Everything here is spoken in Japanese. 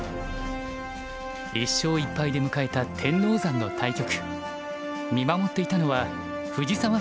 １勝１敗で迎えた天王山の対局。